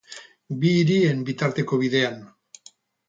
Bi hirien bitarteko bidean.